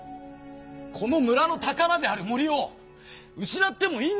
この村のたからである森を失ってもいいんでしょうか？